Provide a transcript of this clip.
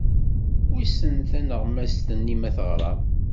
Wissen taneɣmast-nni ma teɣra?